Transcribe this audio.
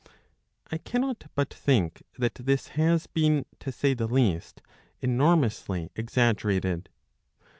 I cannot but think that this has been, to say the least, enormously exaggerated.